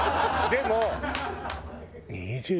でも。